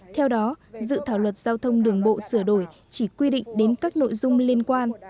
theo đó dự thảo luật giao thông đường bộ sửa đổi chỉ quy định đến các nội dung liên quan